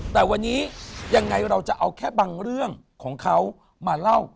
แต่วันนี้ยังไงเราจะเอาแค่บางเรื่องของเขามาเล่า